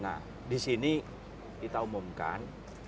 nah di sini kita umumkan